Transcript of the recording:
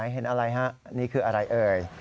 เห็นอะไรฮะนี่คืออะไรเอ่ย